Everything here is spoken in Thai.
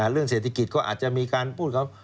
เรื่องเศรษฐกิจก็อาจจะมีการพูดเขา